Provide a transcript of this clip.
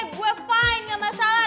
gue fine gak masalah